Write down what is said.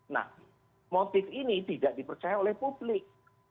nah motif ini tidak dipercaya oleh publik